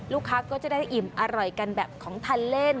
ก็จะได้อิ่มอร่อยกันแบบของทานเล่น